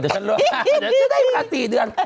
เดี๋ยวฉันรอ๓๔เดือน